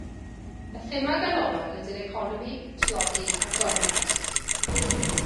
Y thema ganolog ydy'r economi, tlodi a gormes.